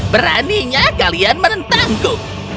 beraninya kalian menentangku